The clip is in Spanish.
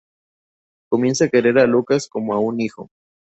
Comienza a querer a Lucas como a un hijo.